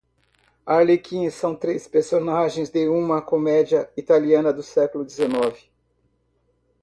Pierrot, Colombina e Arlequim são três personagens de uma comédia italiana do século dezenove.